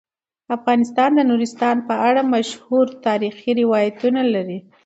افغانستان د نورستان په اړه مشهور تاریخی روایتونه لري.